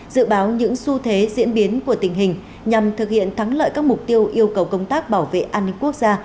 dự báo những xu thế diễn biến của tình hình nhằm thực hiện thắng lợi các mục tiêu yêu cầu công tác bảo vệ an ninh quốc gia